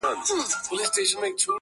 وارخطا یې ښي او کیڼ لور ته کتله!!